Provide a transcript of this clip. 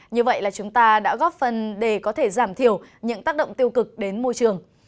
như vậy là chúng ta đã góp phần để có thể giảm thiểu những tác động tiêu cực đến môi trường